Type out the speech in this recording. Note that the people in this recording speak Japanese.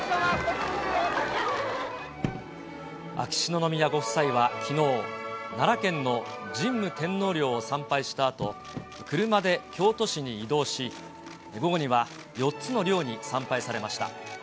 秋篠宮ご夫妻はきのう、奈良県の神武天皇陵を参拝したあと、車で京都市に移動し、午後には４つの陵に参拝されました。